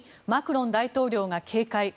２マクロン大統領が警戒。